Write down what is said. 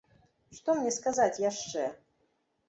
Што мне сказаць яшчэ?